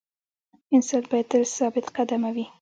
انسان باید تل ثابت قدمه وي.